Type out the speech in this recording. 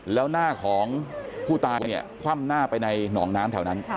แล้วหน้าของผู้ตายเนี่ยคว่ำหน้าไปในหนองน้ำแถวนั้น